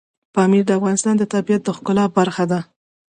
پامیر د افغانستان د طبیعت د ښکلا برخه ده.